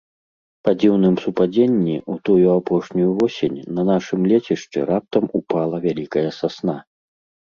Па дзіўным супадзенні, у тую апошнюю восень на нашым лецішчы раптам упала вялікая сасна.